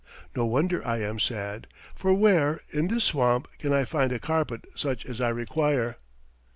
No wonder I am sad, for where, in this swamp, can I find a carpet such as I require?"